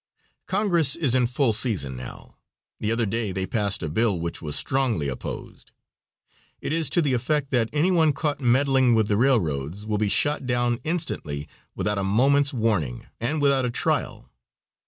Congress is in full session now. The other day they passed a bill which was strongly opposed. It is to the effect that any one caught meddling with the railroads will be shot down instantly without a moment's warning, and without a trial.